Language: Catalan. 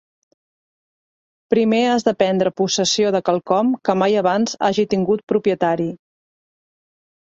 Primer has de prendre possessió de quelcom que mai abans ha tingut propietari.